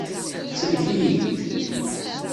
Sellek-iyi!